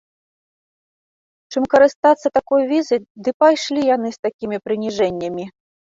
Чым карыстацца такой візай, ды пайшлі яны з такімі прыніжэннямі!